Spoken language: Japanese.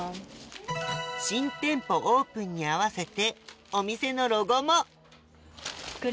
新店舗オープンに合わせてお店のロゴも！